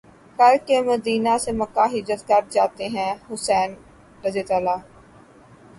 کرکے مدینہ سے مکہ ہجرت کر جاتے ہیں حسین رض